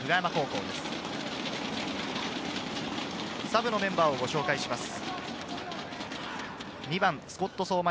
サブのメンバーをご紹介します。